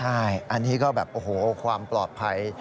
ใช่อันนี้ก็แบบโอ้โหความปลอดภัย